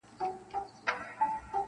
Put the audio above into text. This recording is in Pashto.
زه یې پروانه غوندي پانوس ته پیدا کړی یم-